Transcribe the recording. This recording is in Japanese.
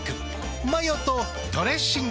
マヨとドレッシングで。